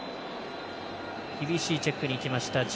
厳しいチェックにいきました